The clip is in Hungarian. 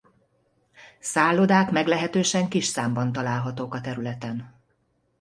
Szállodák meglehetősen kis számban találhatók a területen.